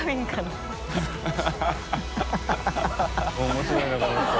面白いなこの人。